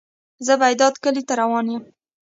زه بیداد کلی ته روان یم.